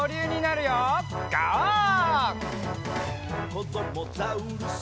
「こどもザウルス